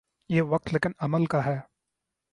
یہ وقت لیکن عمل کا ہے۔